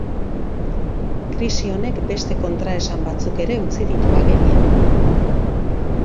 Krisi honek beste kontraesan batzuk ere utzi ditu agerian.